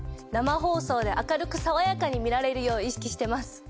生放送で明るくさわやかに見られるよう意識してます。